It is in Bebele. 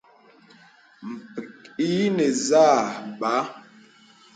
Pə̀k ǐ nə̀ zâ bə̀.